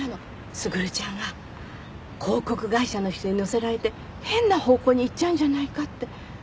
卓ちゃんが広告会社の人に乗せられて変な方向に行っちゃうんじゃないかって。